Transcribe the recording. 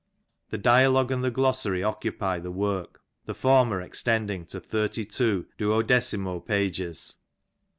The Dialogue and the Glossary occupy the work, the former ex tending to thirty two duodecimo pages.